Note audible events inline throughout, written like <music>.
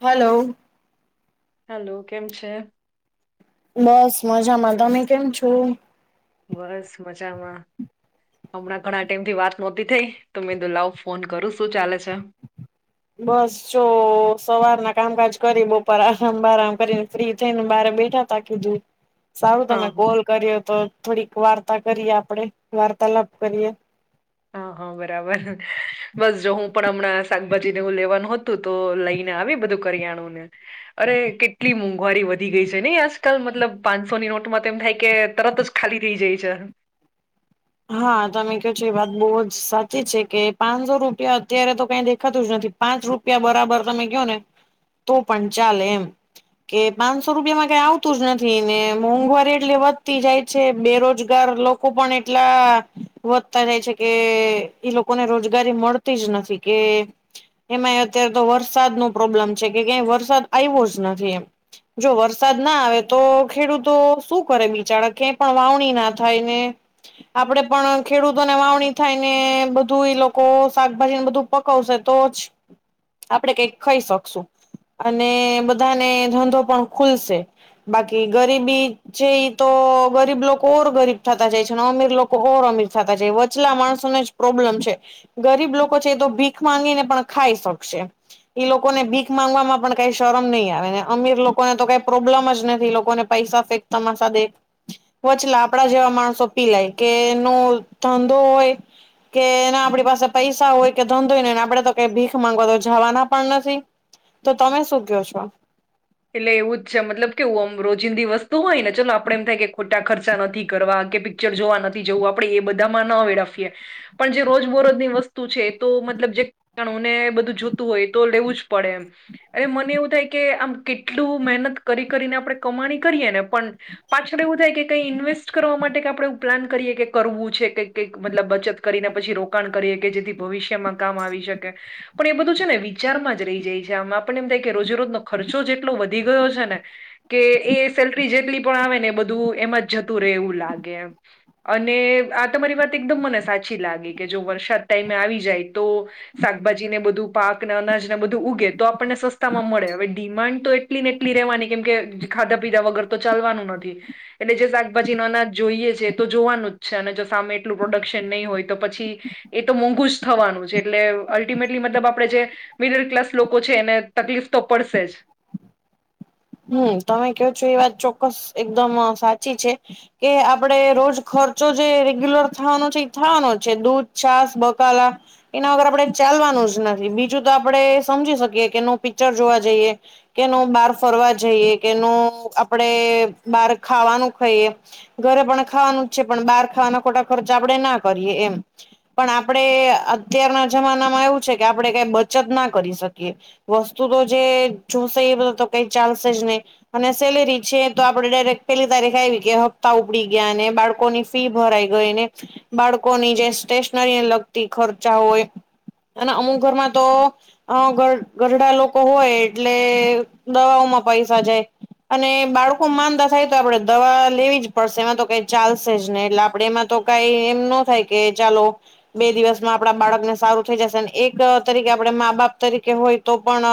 Hello hello કેમ છે બસ મજામાં. તમે કેમ છો? બસ મજામાં. હમણાં ઘણા ટાઈમ થી વાત નહોતી થઈ તો મે દુ લવ ફોન કરું શું ચાલે છે બસ જો સવારના કામકાજ કરી બપર આરામ બરામ કરીને ફ્રી થઈને બાર બેઠા તકી દું સારું હા તમે કોલ કરી્યો તો થોડીક વાર્તા કરીએ આપડે વાર્તાલાપ કરીએ હા હા બરાબર બસ જો હું પણ હમણાં શાકભાજી નેવું લેવાનું હતું તો લઈને આવે બધું કરિયાણુંને, અરે કેટલી મોંઘવારી વધ વધી ગઈ છે નહીં આજકાલ, મતલબ પાંચસોની નોટમાં તેમ થાય કે તરત જ ખાલી થઈ જાય છે. હા, તમે ક્યો છો ઈ વાત બહુ જ સાચી છે, કે પાંચસો રૂપિયા અત્યારે તો કાઈ દેખાતું જ નથી. પાંચ રૂપિયા બરાબર તમે કયો ને તો પણ ચાલે એમ. કે પાંચસો રૂપિયામાં કાઈ આવતું જ નથી, ને મોંઘવારી એટલી વધતી જાય છે, બેરોજગાર લોકો પણ એટલા વધતા જાય છે, કે ઈ લોકોને રોજગારી મળતી જ નથી, કે એમાંય અત્યારે તો વરસાદ નો પ્રોબ્લેમ છે, કે કયાંય વરસાદ આયવો જ નથી એમ. જો વરસાદ ના આવે તો ખેડૂતો શું કરે બિચારા, કયાંય પણ વાવણી ના થાય ને આપડે પણ ખેડૂતોને વાવણી થાય ને બધું ઈ લોકો શાકભાજીને બધું પકવશે તો જ આપડે કાઈક ખાઈ શકશું. અને બધાને ધંધો પણ ખુલશે. બાકી ગરીબી છે ઈ તો ગરીબ લોકો ઓર ગરીબ થતા જાય છ અને અમીર લોકો ઓર અમીર થતા જાય, વચલા માણસોને જ પ્રોબ્લેમ છે. ગરીબ લોકો છે, એ તો ભીખ માંગીને પણ ખાઈ શકશે. ઈ લોકોને ભીખ માંગવાવામાં પણ કાઈ શરમ નહી આવે, ને અમીર લોકોને તો કાઈ પ્રોબ્લમ જ નથી, એ લોકોને પૈસા ફેંક તમાશા દેખ, વચલા લાપડા જેવા માણસો પીલાય, કે નો ધંધો હોય કે એના આપડી પાસે પૈસા હોય કે ધંધોય નહીં, અને આપડે તો કાઈ ભીખ માંગવા તો જાવાના પણ નથી. તો તમે શું ક્યો છો? એટલે એવું જ છે મતલબ કે ઓમ રોજિંદી વસ્તુ હોય ને, ચલો આપડે એમ થાય કે ખોટા ખર્ચા નથી કરવા, કે પિ ક્ચર જોવા નથી જવું, આપડે એ બધામાં ન વેડફીએ પણ જે રોજબોરોજની વસ્તુ છે, તો મતલબ જે <unintelligible> ને બધું જોતું હોય તો લેવું જ પડે એમ, અને મને એવું થાય કે આમ કેટલું મહેનત કરી-કરીને આપણે કમાણી કરીએ ને, પન પાછળ એવું થાય કે કઈ ઇન્વેસ્ટ કરવા માટે કે આપણે એવું પ્લાન કરીએ કે કરવું છે કઈક કૈક, મતલબ બચત કરીને પછી રોકાણ કરીએ કે જેથી ભવિષ્યમાં કામ આવી શકે. પણ એ બધું છે ને વિચારમાં જ રહી જાય છે આમ, આપણને એમ થાય કે રોજેરોજનો ખર્ચ ચો જ એટલો વધી ગયો છે ને કે એ સેલરી જેટલી પણ આવે ને એ બધું એમાં જ જતું રહે એવું લાગે એમ. અને આ તમારી વાત એકદમ મને સાચી લાગી, કે જો વરસાદ ટાઈમે આવી જાય તો શાકભાજી ને બધું પાક ને અનાજ ને બધું ઉગે તો આપણને સસ્તા માં મળે. હવે ડિમાન્ડ તો એટલી ને એટલી રહેવાની, કેમ કે ખાધા પીધા વગર તો ચાલવાનું નથી. એટલે જે શાકભાજી નો અનાજ જોઈએ છે, તો જોવાનું જ છે, અને જો સામે એટલું પ્રોડક્શન નહીં હોય તો પછી એ તો મોંઘું જ થવાનું છે, એટલે અલ્ટિમેટલી મતલબ આપણે જે મિડલ ક્લાસ લોકો છે એને તકલીફ તો પડશે જ. હમ્મ, તમે ક્યો છો એ વાત ચોક્કસ એકદમ સાચી છે. કે આપણેે રોજ ખર્ચો જે રેગ્યુલર થવાનો છે એ થવાનો જ છે, દૂધ, છાસ, બકાલા એના વગર આપડે ચાલવાનું જ નથી, બીજું તો આપડે સમજી શકીએ કે નો પિક્ચર જોવા જઈએ કે નો બહાર ફરવા જઈએ, કે નો આપડે બહાર ખાવાનું ખઈએ ઘરે પણ ખાવાનું જ છે, પણ બહાર ખાવાના ખોટા ખર્ચ આપણેે ના કરીએ એમ. પણ આપણેે અત્યારના જમાનામાં એવું છે કે આપણે કાઈ બચત ના કરી શકીએ. વસ્તુ તો જે જોશે એ બધા તો કાઈ ચાલશે જ નહીં. અને સેલેરી છે તો આપડે ડાયરેક્ટ પેલી તારીખ આયવી કે હપ્તા ઉપડી ગયા, ને બાળકોની ફી ભરાઈ ગઈ, ને બાળકોની જે સ્ટેશનરીને લગતી ખર્ચા હોય અને અમુક ઘરમાં તો અહ ઘર ઘરડાં લોકો હોય એટલે દવાઓમાં પૈસા જાય. અને બાળકો માંદા થાય તો આપડે દવા લેવી જ પડશે, એમાં તો કાઈ ચાલશે જ નહીં, એટલે આપણે એમાં તો કઈ એમ ન થાય કે ચાલો બે દિવસમાં આપણા બાળકને સારું થઈ જશે એક તરીકે આપણે મા બાપ તરીકે હોય તો પણ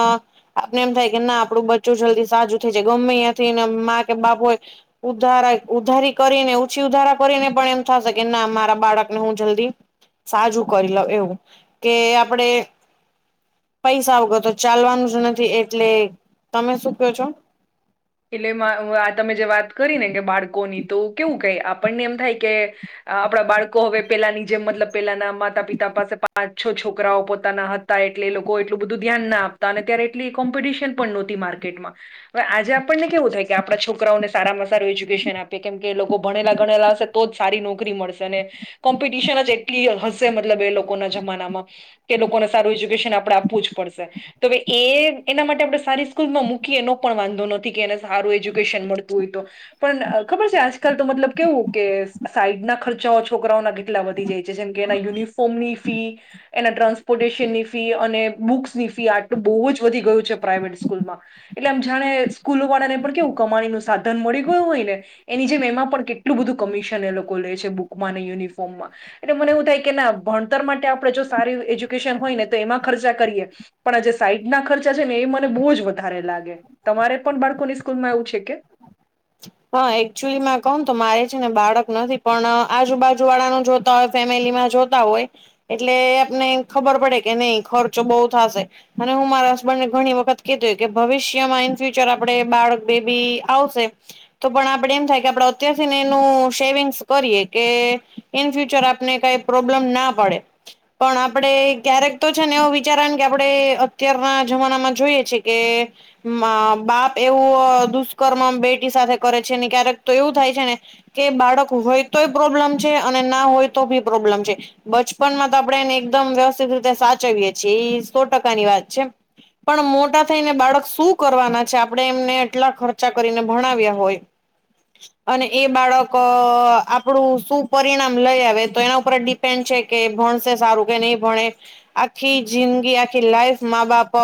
આપને એમ થાય કે ના આપડું બચ્ચું જલ્દી સાજું થઈ જાય ગમે ત્યાંથી ને મા કે બાપ હોય. ઉધારા ઉધારી કરીને ઓછી ઉધારા કરીને પણ એમ થશે, કે ના મારા બાળકને હું જલ્દી સાજું કરી લ એવું કે આપડે? પૈસા વગર તો ચાલવાનું જ નથી એટલે તમે શું કો છો? એટલે આ તમે જે વાત કરી ને કે બાળકોની તો કેવું કઈ આપણને એમ થાય કે. આપણા બાળકો હવે પેલાની જેમ મતલબ પેલાના માતા પિતા પાસે પાંચ છ છોકરાઓ પોતાના હતા. એટલે લોકો એટલું બધું ધ્યાન ના આપતા અને ત્યારે એટલી કોમ્પિટિશન પણ નહોતી માર્કેટમાં. હવે આજે આમ આપણને કેવું થાય કે આપણા છોકરાઓને સારામાં સારું એજ્યુકેશન આપીએ કેમ કે લોકો ભણેલા ગણેલા હશે, તો જ સારી નોકરી મળશે ને કોમ્પિટિશન જ એટલી હશે મતલબ એ લોકોના જમાનામાં તે લોકોને સારું એજ્યુકેશન આપડણે આપવું જ પડશે. તોવે એ એના માટે આપણે સારી સ્કૂલમાં મૂકીએ એનો પણ વાંધો નથ. એને સારું એજ્યુકેશન મળતું હોય તો. પણ ખબર છે આજકાલ તો મતલબ કેવું કે સાઈડ ના ખર્ચાઓ છોકરાઓના કેટલા વધતી જાય છે જેમ કે એના યુનિફોર્મની ફી એના ટ્રાન્સપોર્ટેશનની ફી અને બુક્સની ફી આટલું બહુ જ વધી ગયું છે પ્રાઇવેટ સ્કૂલમાં. એટલે આમ જાણે સ્કૂલો વાળા ને પણ કેવું કમાણીનુંું સાધન મળી ગયું હોયને એની જેમ એમાં પણ કેટલું બધું કમિશન એ લોકો લે છે બુકમાં ને યુનિફોર્મમાં. એટલે મને એવું થાય કે ના ભણતર માટે આપણે જો સારું એજ્યુકેશન હોય ને તો એમાં ખર્ચા કરીએ. પણ આ જે સાઈડ ના ખર્ચા છે ને એ મને બહુ જ વધારે લાગે તમારે? પણ બાળકો ની સ્કૂલ માં એવું છે કે હા એકચુલી કહું તો મારે છે ને બાળક નથી પણ આજુબાજુ વાળાનું જો ફેમિલીમાં જોતા હોય એટલે આપને ખબર પડે કે નહી ખર્ચો બહુ થશે. અને હું મારા હસબન્ડ ને ઘણી વખત કધુંય કે ભવિષ્યમાં ઈન ફ્યુચર આપડ બાળક બેબી આવશે. તો પણ આપડણે એમ થાય કે આપડ અત્યારથી ને એનું શેવિંગ્સ કરીએ કે ઈન ફ્યુચર આપને કઈ પ્રોબ્લેમ ના પડે. પણ આપડણે ક્યારેક તો છે ને એવો વિચાર કે આપડણે અત્યારના જમાનામાં જોઈએ છે કે બાપ એવું દુષ્કર્મ બેટી સાથે કરે છે ને ક્યારેક તો એવું થાય છે ને કે બાળક હોય તોય પ્રોબ્લેમ છે અને ના હોય તો ભી પ્રોબ્લેમ છે. બચપન માં તો આપણે એને એકદમ વ્યવસ્થિત રીતે સાચવીએ છીએ એ સો ટકાની વાત છે. પણ મોટા થઈને બાળક શું કરવાના છે આપડે એમને એટલા ખર્ચા કરીને ભણાવ્યા હોય. અને એ બાળક આપણું શું પરિણામ લઈ આવે તો એના ઉપર ડિપે પેન છે કે, એ ભણસે સારું કે નહીં ભણે. આખી જિંદગી, આખી લાઈફ મા બાપ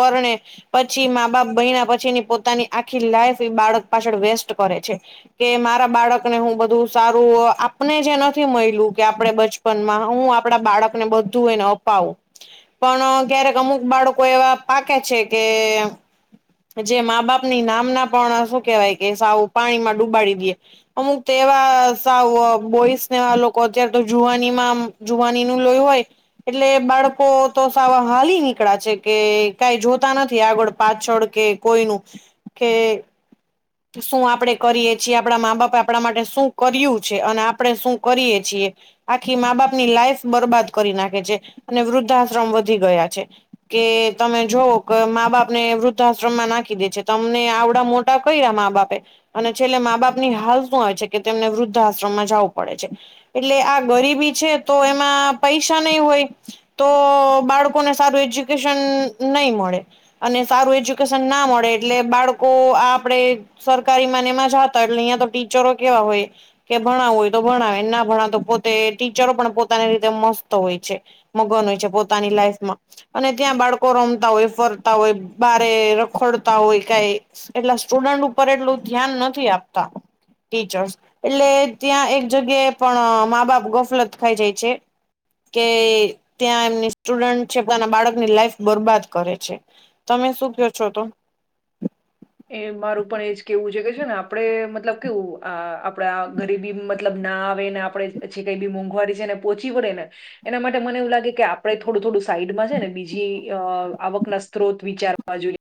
પરણે પછી મા બાપ બહીના પછીની પોતાની આખી લાઈફ એ બાળક પાછળ વેસ્ટ કરે છે. કે મારા બાળકને હું બધું સારું આપને જે નથી મળલું કે આપડે બચ પણ હું આપડા બાળક ને બધું એને અપાવું. પણ ક્યારેક અમુક બાળકો એવા પાકે છે કે જે મા બાપની નામના પણ શું કેવાય કે સાવું પાણીમાં ડુબાડી દે. અમુક તેવા સાવ બોઈસનેવા લોકો અત્યારે તો જુવાનીમાં જુવાની નું લોય હોય. એટલે બાળકો તો સાવા હલી નીકળ્યા છે કે કઈ જોતા નથી આગળ પાછળ કે કોઈ નું કે શું આપડણે કરીએ છીએ આપણા મા બાપે આપણા માટે શું કર્યું છે અને આપણે શું કરીએ છીએ. આખી મા બાપની લાઈફ બરબાદ કરી નાખે છે અને વૃદ્ધાશ્રમ વધી ગયા છે. કે તમે જોઓ કે મા બાપ ને વૃદ્ધાશ્રમમાં નાખી દે છે તમને આવડા મોટા કઈ્યા મા બાપે અને છેલ્લે મા બાપ ની હાલ શું આવેય છે કે તેમને વૃદ્ધાશ્રમમાં જવું પડે છે. એટલે આ ગરીબી છે તો એમાં પૈસા નહી હોય. તો બાળકોને સારું એજ્યુકેશન નહી મળે. અને સારું એજ્યુકેશન ના મળે એટલે બાળકો આપ- - આપણે સરકારી માનેમાં જ હતા એટલે અહિયાં તો ટીચરો કેવા હોય- - કે ભણાવવું હોય તો ભણાવે ના ભણાવ તો પોતે ટીચરો પણ પોતાની રીતે મસ્ત હોય છે. મગન હોય છે પોતાની લાઈફમાં. અને ત્યાં બાળકો રમતા હોય ફરતા હોય બારે રખોડતા હોય કઈ એટલા- - સ્ટુડન્ટ ઉપર એટલું ધ્યાન નથી આપતા. ટીચર્સ એટલે ત્યાં એક જગ્યાએ પણ મા બાપ ગોફલત ખાઈ જાય છે. કે ત્યાં એમની સ્ટુડેન્ટ છે પોતાના બાળકની લાઈફ બરબાદ કરે છે. તમે શું કો છો તો? એ મારું પણ એજ કેવું છે કે છે ને આપડે મતલબ કેવું આ આપડાે ગરીબી- - મતલબ ના આવે ને આપણેે પછે કઈ બી મોંઘવારી છે ને પોહોંચી પડે ને- - એના માટે મને એવું લાગે કે આપણે થોડું થોડું સાઈડમાં છે ને બીજી અ આવક ના સ્ત્રોત વિચાર- - બાજુ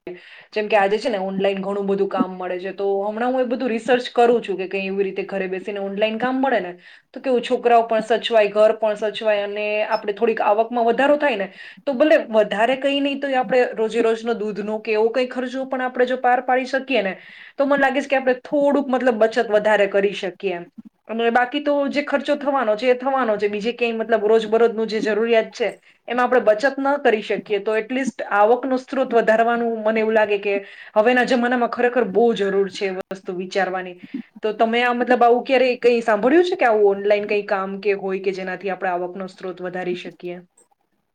જેમ કે આજે છે ને- - લાઈને ઘણું બધું કામ મળે છે તો હમણાં હું એ બધું રિસર્ચ કરું છું કે કઈ એવી રીતે ઘરે બે- - ઓલાઈન કામ મળે ને. તો કેવું છોકરાઓ પણ સચવાય ઘર પણ સચવાય અને આપણે થોડીક આવકમાં વધારો થાય ને- - તો ભલે વધારે કઈ નહી તો આપડણે રોજે રોજ નો દૂધ નો કે એવું કઈ ખર્ચો પણ આપડે જો- - પાર પાડી શકીએ ને તો મને લાગે છે કે આપણે થોડુંક મતલબ બચત વધારે કરી શકીએ એમ. અને બાકી તો જે ખર્ચો થવાનો છે એ થવાનો છે બીજે ક્યાંય મતલબ રોજબરોજ ન જે જરૂરિયાત છે. એમાં આપણે બચત ન કરી શકીએ તો એટલીસ્ટ આવકનો સ્ત્રોત વધારવાનું મને એવું લાગે કે- - હવેના જમાનામાં ખરેખર બહુ જરૂર છે એ વસ્તુ વિચારવાની- - તો તમે આ મતલબ આવું ક્યારે કઈ સાંભળ્યું છે કે આવું ઓનલાઈન કઈ કામ કે હોય કે જેનાથી આપણે આવકનો- - સ્ત્રોત વધારી શકીએ.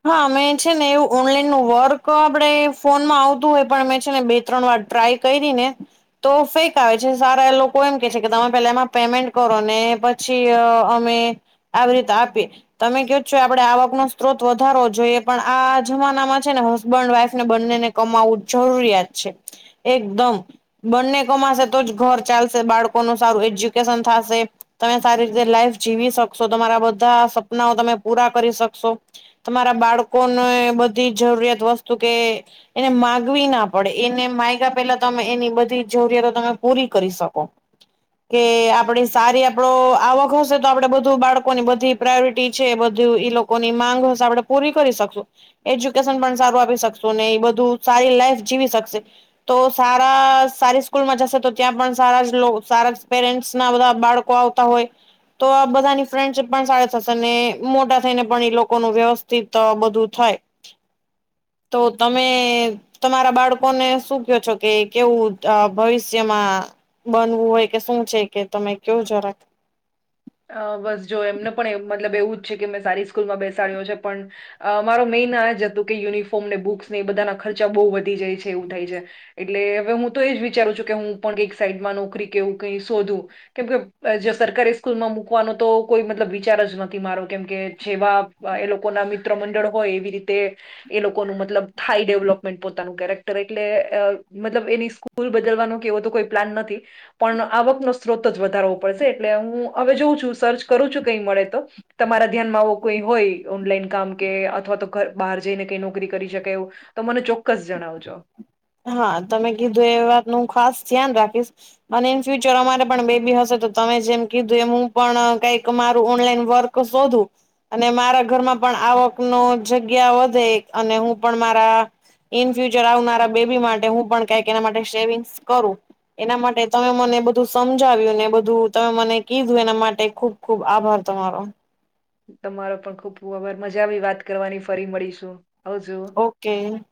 હા અમે છે ને એવું ઓનલાઈન નું વર્ક આપડે ફોનમાં આવતું હોય પણ અમે છે ને બે ત્રણ વાર ટ્રાય- - કેયરી ને તો ફેક આવે છે સારા એ લોકો એમ કે છે કે તમે પેલા એમાં પેમેન્ટ કરો ને પ- - પછી અ અમે આવી રીતે આપીએ તમે કો છો આપડે આવક નો સ્ત્રોત- - વધારો જોઈએ પણ આ જમાનામાં છે ને હસબન્ડ વાઈફ ને બંનેને કમાવવું જરૂરિયાત છે. એકદમ- - બંને કમાશે તો જ ઘર ચાલશે બાળકોનું સારું એજ્યુકેશન થાશે. તમે સારી રીતે લાઈફ જીવી શકશો તમારા બધા સપનાઓ તમે પૂરા કરી શકશો. તમારા બાળકોને બધી જરૂરિયાત વસ્તુ કે- - એને માગવી ના પડે એને માગ્યા પેલા તમે એની બધી જરૂરિયાતો તમે પૂરી કરી શકો. કે આપડી સારી આપડો આવક હશે તો આપડે બધું બાળકોની બધી- - પ્રાયોરિટી છે એ બધું ઈ લોકોની માંગ હશે આપણે પૂરી કરી શકશું. એજ્યુકેશન પણ સારું આપી શકશો ને એ બધું સારી લાઈફ જીવી શકશે- - તો સારા સારી સ્કૂલમાં જશે તો ત્યાં પણ સારા જ સારા પેરેન્ટ્સ ના બધા બાળકો- - આવતા હાએ તો આ બધાની ફ્રેન્ડશીપ પણ સારી થશે ને મોટા થઈને પણ એ લોક- - લોકો નું વ્યવસ્થિત બધું થાય તો તમે- - તમારા બાળકોને શું કહો છો કે કેવું અ ભવિષ્યમાં? બનવું હોય કે શું છે કે તમે કેવ જરાક? અ બસ જો એમને પણ એમ મતલબ એવું જ છે કે મેં સારી સ્કૂલમાં બેસાડ્યો છે પણ- - અ મારો મેઇન આ જ હતું કે યુનિફોર્મ ને બુક્સ ને એ બધાના ખર્ચા બહુ વધી જાય છે એવું થાય છે. એટલે હવે હું તો એજ વિચારું છું કે હું પણ કઈક સાઈડમાં નોકરી કેવું કઈ શોધું. કેમ કે જે સરકારી- - સ્કૂલમાં મૂકવાનો તો કોઈ મતલબ વિચાર જ નથી મારો કેમ કે જેવા એ લોકો ના મિત્ર- - મ મંડળ હોય એવી રીતે- - એ લોકોનું મતલબ થાય ડેવલપમેન્ટ પોતાનું કેરેક્ટર એટલે અ મતલબ એની- - સ્કુલ બદલવાનો કેવો તો કોઈ પ્લાન નથી પણ આવ વકત ન સ્ત્રોત જ વધારવો પડશે એટલે હું- - હવે જોઉં છું સર્ચ કરું છું કઈ મળે તો- - તમારા ધ્યાનમાં આવો કઈ હોય ઓનલાઈન કામ કે અથવા તો બહાર જઈને કઈ નોકરી કરી શકે એવું- - તો મને ચોક્કસ જણાવજો. હા તમે કીધું એ વાતનું ખાસ ધ્યાન રાખીશ અને ઇન ફ્યુચર અમારે પણ બેબી હશે તો તમે જેમ કીધું એ હું પણ કઈક મારું ઓનલાઈન વર્ક શોધું. અને મારા ઘરમાં પણ આવકનો જગ્યા વધે અને હું પણ મારા ઈન ફ્યુચર આવનારા બેબી માટે હું પણ કઈક એના માટે સેવિંગ્સ કરું. એના માટે તમે મને બધું સમજાવ્યું ને બધું તમે મને કીધું એના માટે ખુબ ખુબ આભાર તમારો. તમારો પણ ખુબ ખબર મજા આવી વાત કરવાની ફરી મળીશું આવજુ ઓકે.